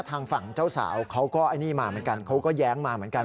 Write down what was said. ทางฝั่งเจ้าสาวเขาก็ไอ้นี่มาเหมือนกันเขาก็แย้งมาเหมือนกัน